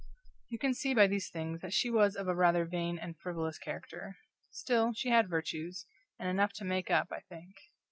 You can see by these things that she was of a rather vain and frivolous character; still, she had virtues, and enough to make up, I think.